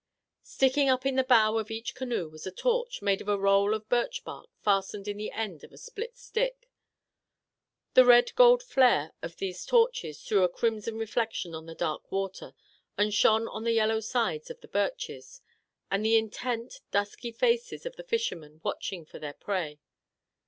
Sticking up in the bow of each canoe was a torch, made of a roll of birch bark fastened in the end of a split stick. The red gold flare of these torches threw a crimson reflection on the dark water, and shone on the yellow sides of the birches, and the intent, dusky faces of the fishermen watching for their prey.